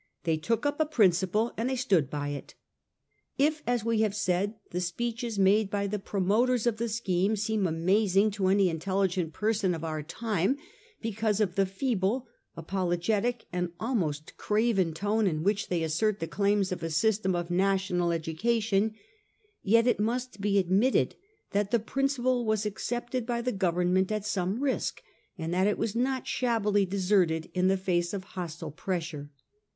They took up a principle and they stood by it. If, as we have said, the speeches made by the promoters of the scheme seem amazing to any intelligent person of our time because of the feeble, apologetic, and almost craven tone in which they assert the claims of a system of national educa tion, yet it must be admitted that the principle was accepted by the Government at some risk, and that' it was not shabbily deserted in the face of hostile pressure.